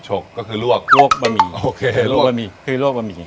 ฉกก็คือลวกลวกบะหมี่คือลวกบะหมี่